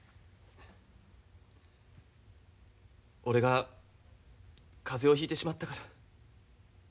俺が風邪をひいてしまったから。